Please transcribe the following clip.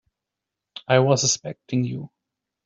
I was expecting you.